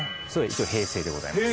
一応平成でございます。